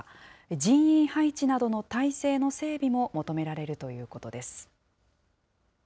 人員配置などの体制の整備も求められるということです。